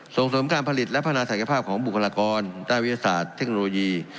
ส่งเสริมการผลิตและพัฒนาศักยภาพของบุคลากรด้านวิทยาศาสตร์เทคโนโลยี